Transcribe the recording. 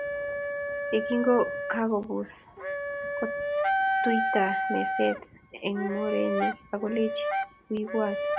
Ye kingokakobus, kotuiatui meset eng mornenyi akolechi, wiy ibwat